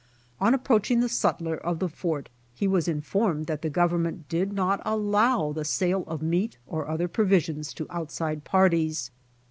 On approaching the sutler of the fort he was informed that the government did not allow the sale of meat or other provisions to outside parties.